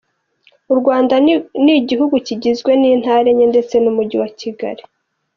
U rwanda niguhugu kigizwe n’intara enye ndetse nu mujyi wa kigali.